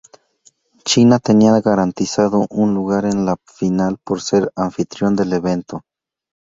China tenía garantizado un lugar en la final por ser anfitrión del evento.